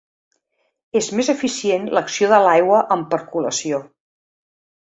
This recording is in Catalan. És més eficient l'acció de l'aigua en percolació.